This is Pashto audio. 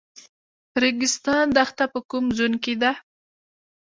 ریګستان دښته په کوم زون کې ده؟